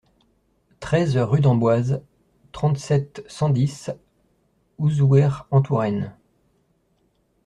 treize rue d'Amboise, trente-sept, cent dix, Auzouer-en-Touraine